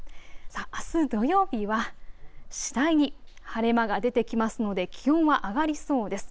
あす土曜日は次第に晴れ間が出てきますので気温は上がりそうです。